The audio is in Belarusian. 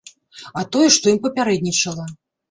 А тое, што ім папярэднічала.